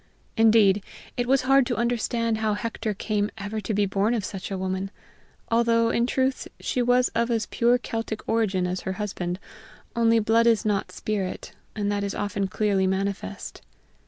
Indeed, it was hard to understand how Hector came ever to be born of such a woman, although in truth she was of as pure Celtic origin as her husband only blood is not spirit, and that is often clearly manifest.